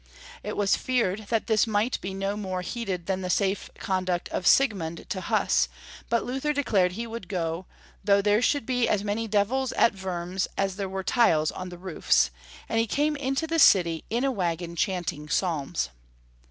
It was feared that this might be no more heeded than the safe conduct of Siegmund to Huss, but Luther declared he would go "though there should be as many devils at Wurms as there were tiles on the roofs," and he came into the city in a wagon chanting Psalms.